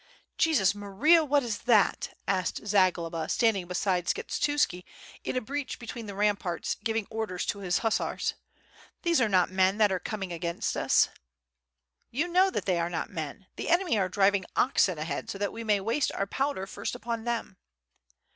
"Jesus Maria! what is that!" asked Zagloba standing beside Skshetuski in a breach between the ramparts giving orders to his hussars, "these are not men that are coming against us." "You know that they are not men; the enemy are driving oxen ahead so that we may waste our powder first upon them."